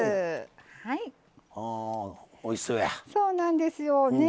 そうなんですよね。